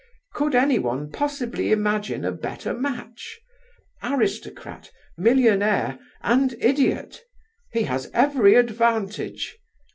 Could anyone possibly imagine a better match? Aristocrat, millionaire, and idiot, he has every advantage!